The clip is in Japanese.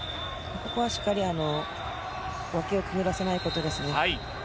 ここはしっかり脇をくぐらせないことですね。